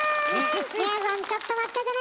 みやぞんちょっと待っててね。